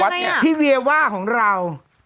ด้วยแล้ว